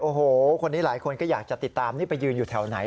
โอ้โหคนนี้หลายคนก็อยากจะติดตามนี่ไปยืนอยู่แถวไหน